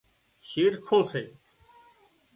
شِرکُون سي